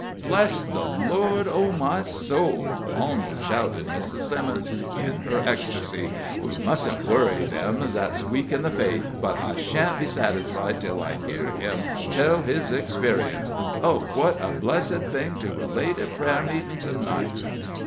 "Bless the Lord, O my soul!" almost shouted Mrs. Simmons, in her ecstacy. "We musn't worry them that's weak in the faith, but I sha'n't be satisfied till I hear him tell his experience. Oh, what a blessed thing to relate at prayer meetin' to night!"